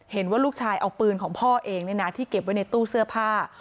เห็นว่าลูกชายเอาปืนของพ่อเองที่เก็บไว้ในตู้เสื้อผ้า